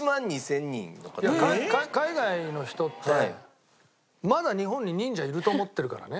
海外の人ってまだ日本に忍者いると思ってるからね。